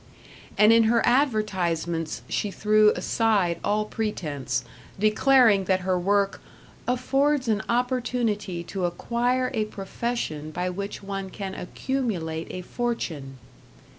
And in her advertisements she threw aside all pretense, declaring that her work "Affords an opportunity to acquire a profession by which one can accumulate a fortune."